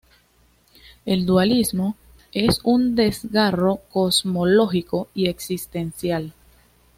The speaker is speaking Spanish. El dualismo es un desgarro cosmológico y existencial.